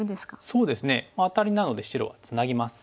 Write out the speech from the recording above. そうですねアタリなので白はツナぎます。